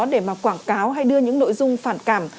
để mà quảng cáo hay đưa những nội dung phản cảm